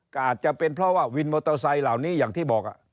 ก็อาจจะเป็นเพราะว่าวินมอเตอร์ไซค์เหล่านี้อย่างที่บอก